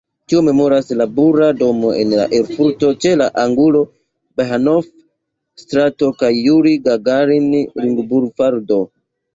Tion memoras la bura domo en Erfurto ĉe la angulo Bahnhof-strato kaj Juri-Gagarin-ringobulvardo.